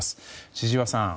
千々岩さん